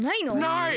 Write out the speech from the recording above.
ない。